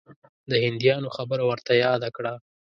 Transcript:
د هندیانو خبره ورته یاده کړه.